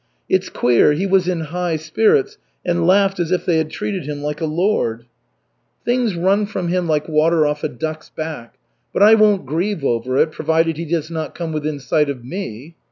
It's queer, he was in high spirits and laughed as if they had treated him like a lord." "Things run from him like water off a duck's back. But I won't grieve over it, provided he does not come within sight of me."